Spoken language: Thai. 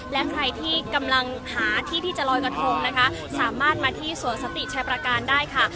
และใครที่กำลังหาที่ที่จะลอยกระทงนะคะสามารถมาที่สวนสติชัยประการได้ค่ะ